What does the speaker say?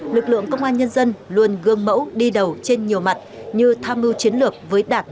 lực lượng công an nhân dân luôn gương mẫu đi đầu trên nhiều mặt như tham mưu chiến lược với đảng